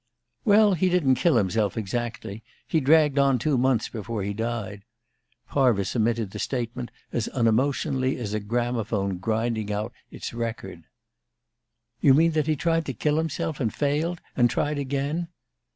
_" "Well, he didn't kill himself, exactly. He dragged on two months before he died." Parvis emitted the statement as unemotionally as a gramophone grinding out its "record." "You mean that he tried to kill himself, and failed? And tried again?"